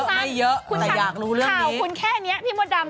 ไม่เยอะแต่อยากรู้เรื่องนี้ข่าวคุณแค่นี้พี่มดดำ